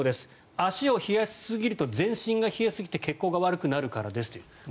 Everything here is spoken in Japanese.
足を冷やしすぎると全身が冷えすぎて血行が悪くなるからですと。